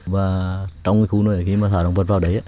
và trong khu nuôi khi mà thả động vật vào đấy